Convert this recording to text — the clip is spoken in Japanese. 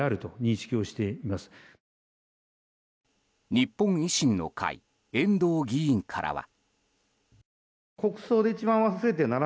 日本維新の会遠藤議員からは。